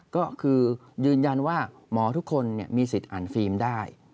ก็คือยืนยันว่าหมอทุกคนมีสิทธิ์อ่านฟิล์มได้